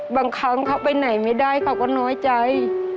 บางครั้งเขาไปไหนไม่ได้เขาก็น้อยใจ